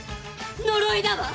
呪いだわ！